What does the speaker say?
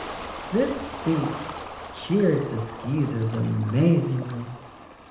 This speech cheered the Skeezers amazingly.